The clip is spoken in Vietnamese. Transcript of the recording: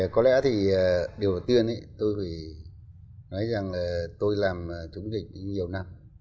có lẽ thì điều đầu tiên tôi phải nói rằng là tôi làm chống dịch nhiều năm